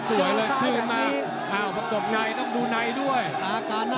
สำหรับทางด้านเอกนัน